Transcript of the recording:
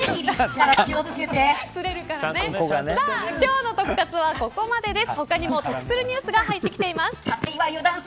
今日のトク活はここまでです。